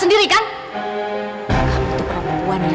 semoga kamu matrix selanjutnya